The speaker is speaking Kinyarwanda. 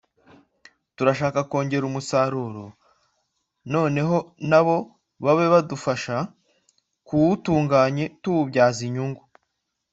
turashaka kongera umusaruro noneho na bo babe badufasha kuwutunganye tuwubyaza inyungu”